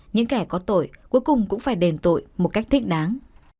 những kẻ có tội cuối cùng cũng phải đền tội một cách thích đáng